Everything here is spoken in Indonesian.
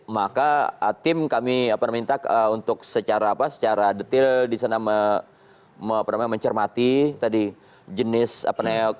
maka tim kami minta untuk secara detail di sana mencermati tadi jenis apa namanya